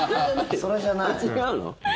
違うの？